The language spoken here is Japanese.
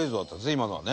今のはね。